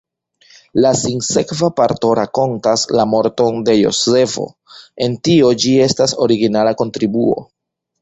La sinsekva parto rakontas la morton de Jozefo: en tio ĝi estas originala kontribuo.